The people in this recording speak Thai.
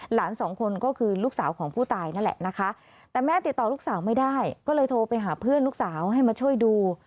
หลานสองคนก็คือลูกสาวของผู้ตายนั่นแหละนะคะแต่แม่ติดต่อลูกสาวไม่ได้ก็เลยโทรไปหาเพื่อนลูกสาวให้มาช่วยดู